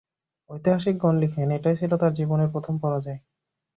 ঐতিহাসিকগণ লিখেন, এটাই ছিল তার জীবনের প্রথম পরাজয়।